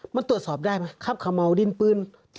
มันตรวจสอบได้ไหมครับขม่าวดินปืน